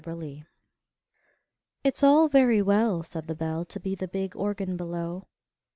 It's all very well, Said the Bell, To be the big Organ below!